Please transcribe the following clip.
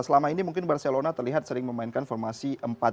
selama ini mungkin barcelona terlihat sering memainkan formasi empat tiga